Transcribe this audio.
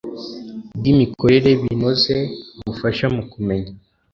bw imikorere binoze bufasha mu kumenya